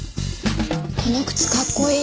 この靴かっこいい。